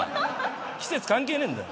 季節関係ねえんだよ。